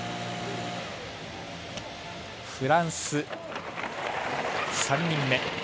フランス、３人目。